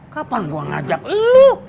kapan gua ngajak lu